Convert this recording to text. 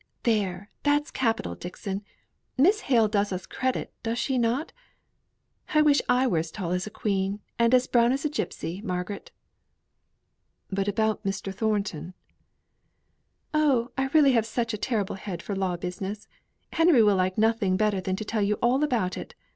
(There, that's capital, Dixon. Miss Hale does us credit, does she not?) I wish I was as tall as a queen, and as brown as a gipsy, Margaret." "But about Mr. Thornton?" "Oh! I really have such a terrible head for law business. Henry will like nothing better than to tell you all about it.